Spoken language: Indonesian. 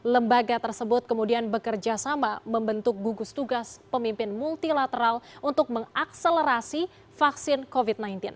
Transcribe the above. lembaga tersebut kemudian bekerja sama membentuk gugus tugas pemimpin multilateral untuk mengakselerasi vaksin covid sembilan belas